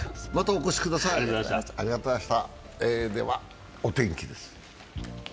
ではお天気です。